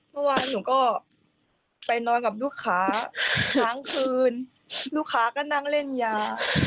เมื่อวานหนูก็ไปนอนกับลูกค้าหางคืนลูกค้าก็นั่งเล่นยา